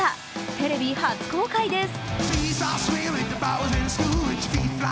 テレビ初公開です。